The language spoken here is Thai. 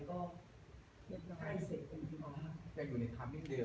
ตะลูกยังไม่ได้เป็นเหมือนเดิมเลยค่ะเนมสิกแปด